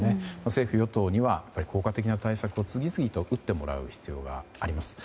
政府・与党には効果的な対策を次々と打っていく必要があると思います。